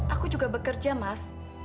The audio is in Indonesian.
aku juga bekerja mas